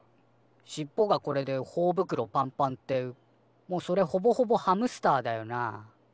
しっぽがこれでほおぶくろパンパンってもうそれほぼほぼハムスターだよな。